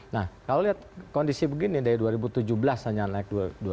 nah kalau lihat kondisi begini dari dua ribu tujuh belas hanya naik dua ratus dua puluh dua